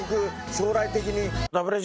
将来的に。